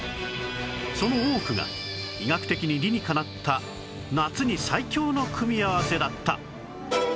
その多くが医学的に理にかなった夏に最強の組み合わせだった！